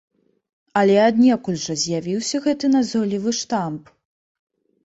Але аднекуль жа з'явіўся гэты назойлівы штамп?